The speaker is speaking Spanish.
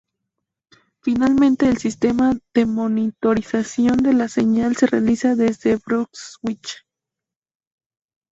Finalmente, el sistema de monitorización de la señal se realiza desde Brunswick.